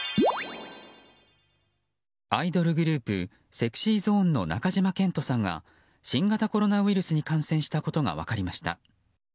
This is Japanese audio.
アイドルグループＳｅｘｙＺｏｎｅの中島健人さんが新型コロナウイルスに感染したことが分かりました。